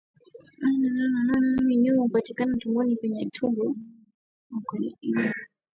Minyoo hupatikana tumboni kwenye utumbo au kwenye ini